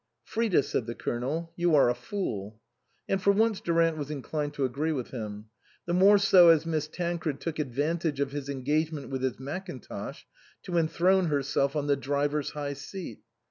"Frida," said the Colonel, "you are a fool." And for once Durant was inclined to agree with him. The more so as Miss Tancred took advan tage of his engagement with his mackintosh to enthrone herself on the driver's high seat.